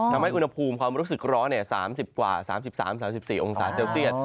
ทำให้อุณหภูมิความรู้สึกร้อน๓๐กว่า๓๓๔องศาเซลเซียต